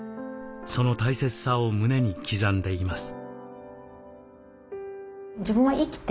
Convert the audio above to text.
その大切さを胸に刻んでいます。